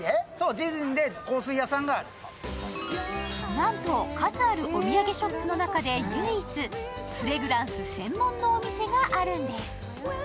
なんと、数あるお土産ショップの中で唯一、フレグランス専門のお店があるんです。